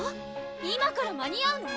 今から間に合うの？